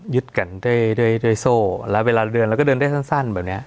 ยึดกันด้วยโซ่แล้วเวลาเดินเราก็เดินได้สั้นแบบเนี้ย